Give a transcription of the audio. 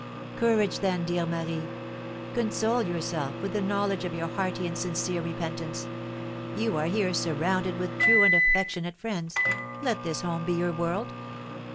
Courage, then, dear Marie! console yourself with the knowledge of your hearty and sincere repentance; you are here surrounded with true and affectionate friends, let this home be your world.